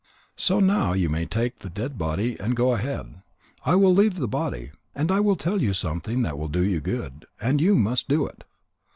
So now you may take the dead body and go ahead. I will leave the body. And I will tell you something that will do you good, and you must do it.